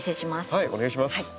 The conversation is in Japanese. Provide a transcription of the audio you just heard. はいお願いします。